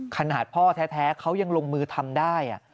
ขนาดพ่อแท้เขายังลงมือทำได้